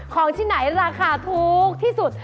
ของที่ไหนราคาถูกที่สุด